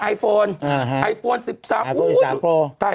ไอฟอน๑๓โกรธ